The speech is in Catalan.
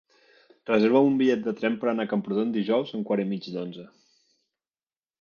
Reserva'm un bitllet de tren per anar a Camprodon dijous a un quart i mig d'onze.